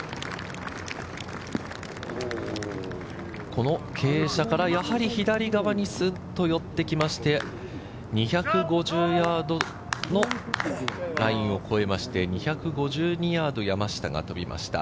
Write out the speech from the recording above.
この傾斜からやはり左側にスッと寄ってきまして、２５０ヤードのラインを越えまして２５２ヤード、山下が飛びました。